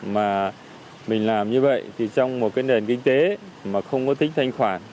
mà mình làm như vậy thì trong một cái nền kinh tế mà không có tính thanh khoản